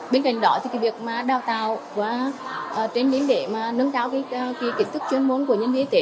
bên cạnh đó thì việc đào tạo và trên bến để nâng cao kỹ thuật chuyên môn của nhân viên y tế